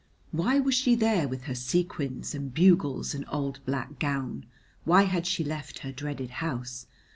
Why was she there with her sequins and bugles and old black gown? Why had she left her dreaded house?